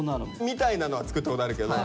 みたいなのは作ったことあるけど。